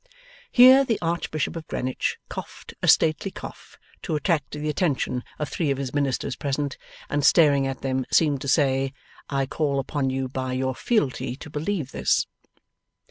Here the Archbishop of Greenwich coughed a stately cough to attract the attention of three of his ministers present, and staring at them, seemed to say: 'I call upon you by your fealty to believe this!